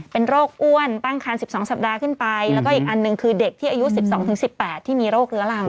เป็นโรคอ้วนตั้งคัน๑๒สัปดาห์ขึ้นไปแล้วก็อีกอันหนึ่งคือเด็กที่อายุ๑๒๑๘ที่มีโรคเรื้อรัง